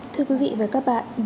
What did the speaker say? thưa quý vị và các bạn